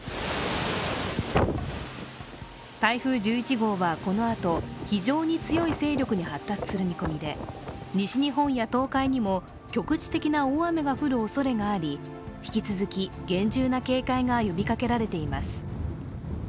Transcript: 台風１１号はこのあと非常に強い勢力に発達する見込みで西日本や東海にも局地的な大雨が降るおそれがあり、引き続き厳重な警戒が呼びかけられています。